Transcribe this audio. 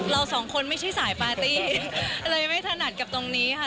เราสองคนไม่ใช่สายปาร์ตี้เลยไม่ถนัดกับตรงนี้ค่ะ